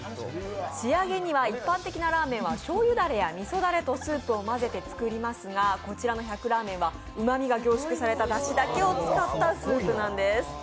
仕上げには、一般的なラーメンはしょうゆダレやみそダレと混ぜてスープを混ぜて作りますがこちらの１００ラーメンはうまみが凝縮されただしだけを使ったスープなんです。